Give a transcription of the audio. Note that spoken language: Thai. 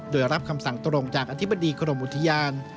โดยรับคำสั่งตรงจากอธิบดีกรมอุทยาน